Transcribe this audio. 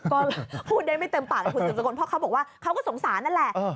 ก็พูดได้ไม่เต็มปากนะคุณสุดสกุลเพราะเขาบอกว่าเขาก็สงสารนั่นแหละ